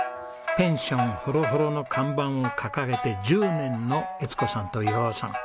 ペンションほろほろの看板を掲げて１０年の江津子さんと岩男さん。